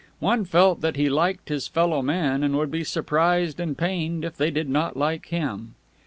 One felt that he liked his follow men and would be surprised and pained if they did not like him.